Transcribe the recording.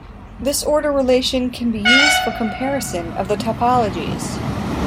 This order relation can be used for comparison of the topologies.